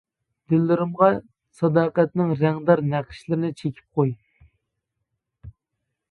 دىللىرىغا ساداقەتنىڭ رەڭدار نەقىشلىرىنى چېكىپ قوي.